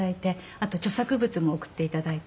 あと著作物も送って頂いて。